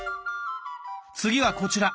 次はこちら！